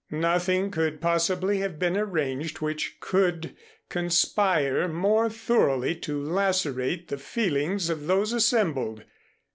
Nothing could possibly have been arranged which could conspire more thoroughly to lacerate the feelings of those assembled.